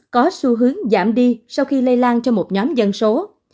có xu hướng giảm đi sau khi lây lan cho một nhóm dân số